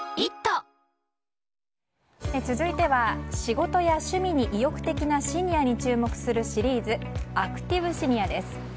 続いては仕事や趣味に意欲的なシニアに注目するシリーズアクティブシニアです。